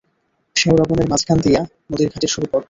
শ্যাওড়া বনের মাঝখান দিয়া নদীর ঘাটের সরু পথ।